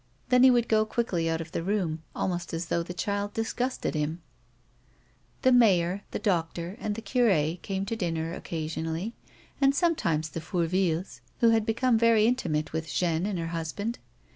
Then he would go quickly out of the room almost as though the child disgusted him. A WOMAN'S LIFE. 141 The mayor, the doctor, and the cure came to dinner occasion ally, and sometimes the Fourvillea, who had become very intimate with Jeanne and her husband.